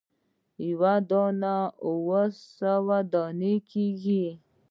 یوه دانه اووه سوه دانې کیږي.